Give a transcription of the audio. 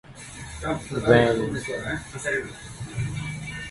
Our knowledge of Indian materialism is chiefly based on these.